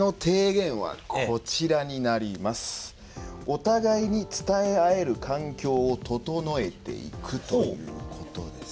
「お互いに伝え合える環境を整えていく」ということです。